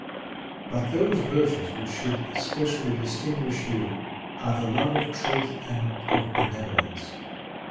But those virtues which should especially distinguish you, are the love of truth and of benevolence.